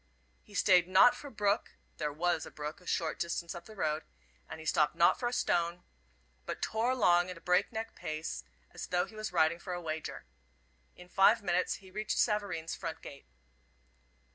He stayed not for brook there was a brook a short distance up the road and he stopped not for stone, but tore along at a break neck pace as though he was riding for a wager. In five minutes he reached Savareen's front gate.